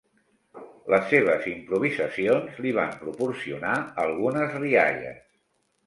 Les seves improvisacions li van proporcionar algunes rialles.